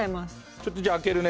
ちょっとじゃあ開けるね。